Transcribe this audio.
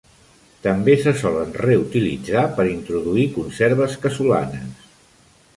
També se solen reutilitzar per introduir conserves casolanes.